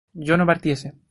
yo no partiese